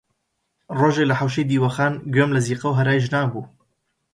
ڕۆژێک لە حەوشەی دیوەخان گوێم لە زیقە و هەرای ژنان بوو